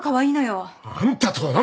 あんたとは何だ。